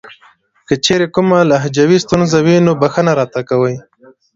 کچېرې کومه لهجوي ستونزه وي نو بښنه راته کوئ .